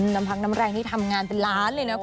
น้ำพักน้ำแรงนี่ทำงานเป็นล้านเลยนะคุณ